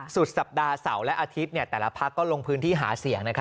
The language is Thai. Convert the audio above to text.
สุดสัปดาห์เสาร์และอาทิตย์แต่ละพักก็ลงพื้นที่หาเสียง